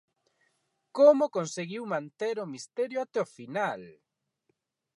¡Como conseguiu manter o misterio até o final!